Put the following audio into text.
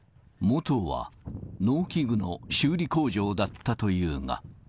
元は農機具の修理工場だったというが。